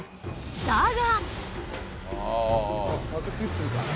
だが。